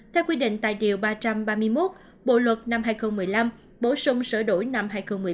theo quy định tại điều ba trăm ba mươi một bộ luật năm hai nghìn một mươi năm bổ sung sửa đổi năm hai nghìn một mươi bảy